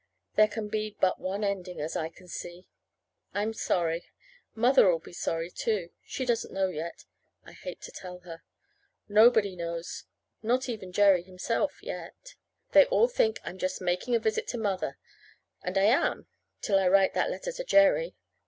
There can be but one ending, as I can see. I'm sorry. Mother'll be sorry, too. She doesn't know yet. I hate to tell her. Nobody knows not even Jerry himself yet. They all think I'm just making a visit to Mother and I am till I write that letter to Jerry.